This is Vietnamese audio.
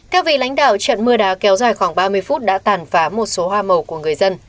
theo vị lãnh đạo trận mưa đá kéo dài khoảng ba mươi phút đã tàn phá một số hoa màu của người dân